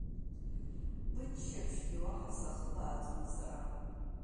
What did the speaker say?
Быччаԥшьгьы уаҳа сахыбааӡом сара…